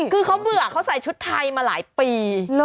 คือเขาเบื่อเขาใส่ชุดไทยมาหลายปี